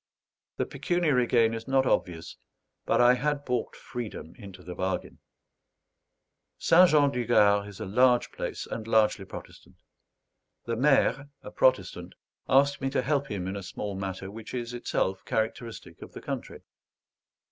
The pecuniary gain is not obvious, but I had bought freedom into the bargain. St. Jean du Gard is a large place, and largely Protestant. The maire, a Protestant, asked me to help him in a small matter which is itself characteristic of the country.